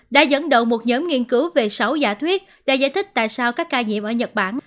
đã dẫn đầu một nhóm nghiên cứu về sáu giả thuyết đã giải thích tại sao các ca nhiễm ở nhật bản